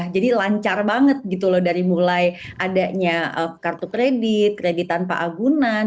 jadi lancar banget gitu loh dari mulai adanya kartu kredit kredit tanpa agunan